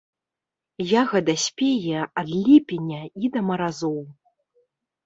Ягада спее ад ліпеня і да маразоў.